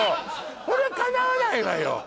そりゃかなわないわよ！